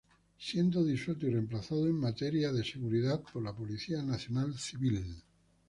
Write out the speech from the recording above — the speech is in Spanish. Siendo disueltos y remplazados en materia de seguridad por la Policía Nacional Civil.